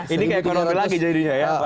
ini kayak ekonomi lagi jadinya ya